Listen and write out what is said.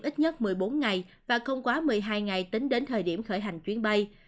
ít nhất một mươi bốn ngày và không quá một mươi hai ngày tính đến thời điểm khởi hành chuyến bay